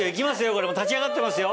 もう立ち上がってますよ。